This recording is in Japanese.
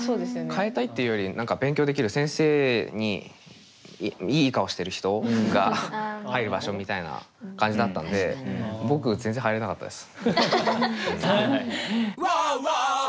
変えたいっていうより何か勉強できる先生にいい顔してる人が入る場所みたいな感じだったんで僕全然入れなかったです。